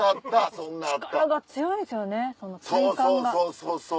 そうそうそうそう。